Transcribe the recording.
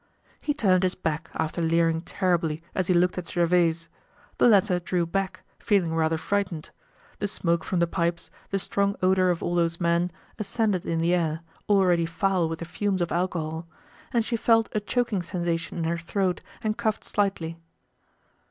He turned his back after leering terribly as he looked at Gervaise. The latter drew back, feeling rather frightened. The smoke from the pipes, the strong odor of all those men, ascended in the air, already foul with the fumes of alcohol; and she felt a choking sensation in her throat, and coughed slightly.